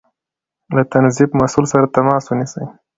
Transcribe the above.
له تنظيف مسؤل سره تماس ونيسئ